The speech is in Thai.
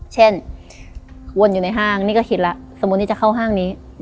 วนอยู่ในห้างนี่ก็คิดแล้วสมมุตินี่จะเข้าห้างนี้